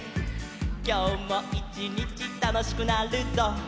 「きょうもいちにちたのしくなるぞ」